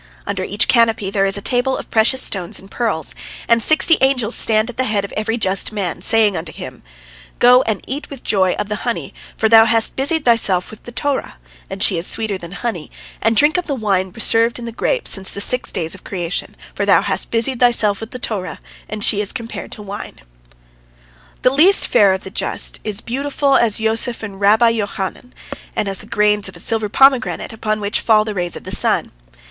Under each canopy there is a table of precious stones and pearls, and sixty angels stand at the head of every just man, saying unto him: "Go and eat with joy of the honey, for thou hast busied thyself with the Torah, and she is sweeter than honey, and drink of the wine preserved in the grape since the six days of creation, for thou hast busied thyself with the Torah, and she is compared to wine." The least fair of the just is beautiful as Joseph and Rabbi Johanan, and as the grains of a silver pomegranate upon which fall the rays of the sun.